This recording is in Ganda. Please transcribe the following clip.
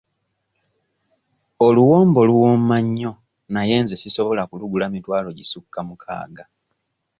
Oluwombo luwooma nnyo naye nze sisobola kulugula mitwalo gisukka mukaaga.